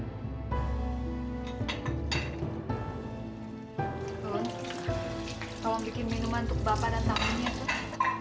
bapak tolong bikin minuman untuk bapak dan tamunya tuan